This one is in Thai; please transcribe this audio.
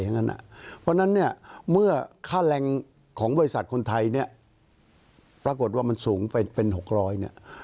เพราะฉะนั้นเมื่อค่าแรงของบริษัทคนไทยปรากฏว่ามันสูงไปเป็น๖๐๐บาท